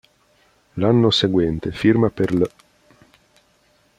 L'anno seguente firma per l'.